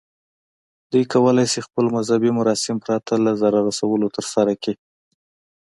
دوی کولی شي خپل مذهبي مراسم پرته له ضرر رسولو ترسره کړي.